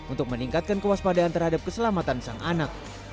untuk meningkatkan kewaspadaan terhadap keselamatan sang anak